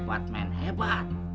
hebat men hebat